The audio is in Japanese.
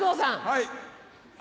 はい。